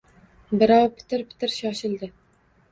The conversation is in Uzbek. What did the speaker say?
Birov pitir-pitir shoshildi.